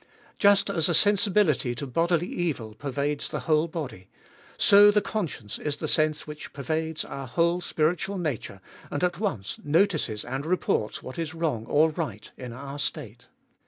Just as a sensibility to bodily evil pervades the whole body, so the conscience is the sense which pervades our whole spiritual nature, and at once notices and reports what is wrong or right in our state.